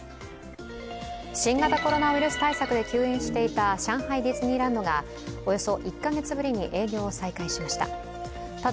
新型コロナウイルス対策で休園していた上海ディズニーランドがおよそ１か月ぶりに営業を再開しました。